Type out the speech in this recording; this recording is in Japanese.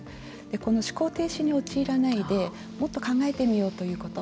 この思考停止に陥らないでもっと考えてみようということ。